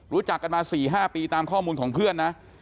รู้จักกันมา๔๕ปีตามข้อมูลของเพื่อนนะ